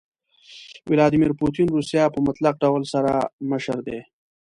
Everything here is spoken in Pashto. ويلاديمير پوتين روسيه په مطلق ډول سره مشر دي.